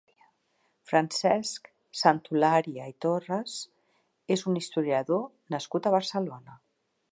Francesc Santolària i Torres és un historiador nascut a Barcelona.